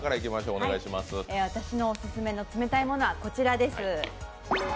私のお勧めの冷たいものは、こちらです。